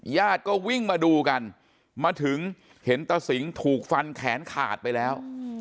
ญาติก็วิ่งมาดูกันมาถึงเห็นตะสิงถูกฟันแขนขาดไปแล้ว